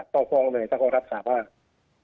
ต้องทมเลยถ้าเขารับสาธารณ์ภาพ